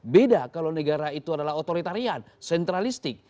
beda kalau negara itu adalah otoritarian sentralistik